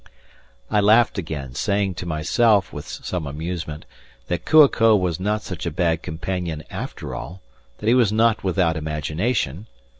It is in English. I laughed again, saying to myself, with some amusement, that Kua ko was not such a bad companion after all that he was not without imagination.